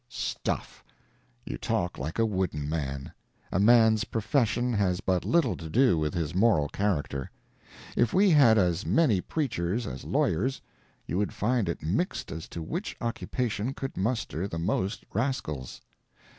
Stuff! You talk like a wooden man. A man's profession has but little to do with his moral character. If we had as many preachers as lawyers, you would find it mixed as to which occupation could muster the most rascals.